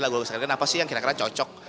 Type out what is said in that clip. lagu lagu besar dan apa sih yang kira kira cocok